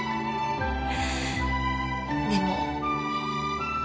でも。